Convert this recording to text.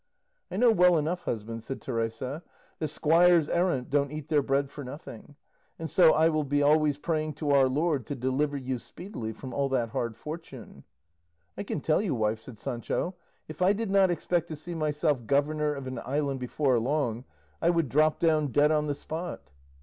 "I know well enough, husband," said Teresa, "that squires errant don't eat their bread for nothing, and so I will be always praying to our Lord to deliver you speedily from all that hard fortune." "I can tell you, wife," said Sancho, "if I did not expect to see myself governor of an island before long, I would drop down dead on the spot."